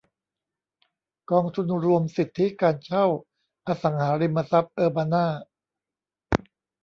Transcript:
กองทุนรวมสิทธิการเช่าอสังหาริมทรัพย์เออร์บานา